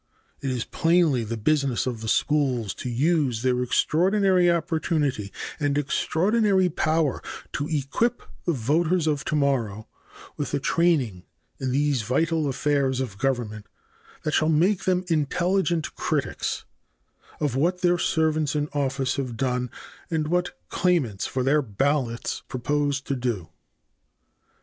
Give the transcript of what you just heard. It is plainly the business of the schools to use their extraordinary opportunity and extraordinary power to equip the voters of to morrow with a training in these vital affairs of government that shall make them intelligent critics of what their servants in office have done or what claimants for their ballots propose to do.